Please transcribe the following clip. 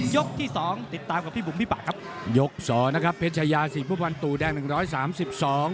ยกที่สองติดตามกับพี่บุ๋มพี่ป่าครับยกสองนะครับเพชยาสี่ภูมิวันตูแดง๑๓๒